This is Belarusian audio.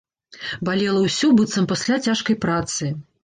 Балела ўсё, быццам пасля цяжкай працы.